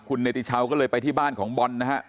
คุณเนติชาวก็เลยไปที่บ้านของบอลนะฮะ